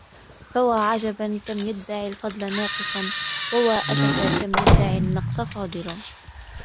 فوا عجبا كم يدعي الفضل ناقص ووا أسفا كم يدعي النقص فاضل